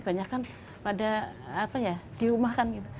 banyak kan pada diumahkan gitu